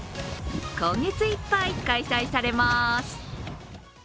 今月いっぱい開催されます。